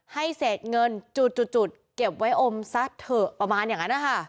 ให้เศษเงินจุดเก็บไว้อมซะเถอะประมาณอย่างนั้นนะคะ